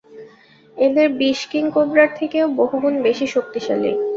এদের বিষ কিং কোবরার থেকেও বহুগুণ বেশি শক্তিশালী।